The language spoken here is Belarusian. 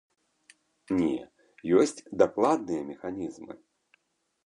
Не, ёсць дакладныя механізмы.